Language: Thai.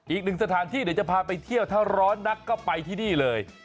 อีกหนึ่งสถานที่เดี๋ยวจะพาไปเที่ยวถ้าร้อนนักก็ไปที่นี่เลย